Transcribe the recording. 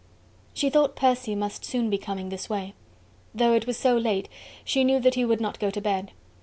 She thought Percy must soon be coming this way. Though it was so late, she knew that he would not go to bed.